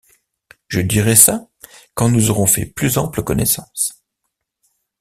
Je dirai ça quand nous aurons fait plus ample connaissance.